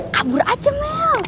kabur aja mel